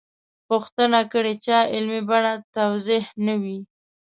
پوښتنه کړې چا علمي بڼه توضیح نه وي.